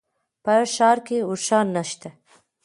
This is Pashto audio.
په ښار کي اوښان نشته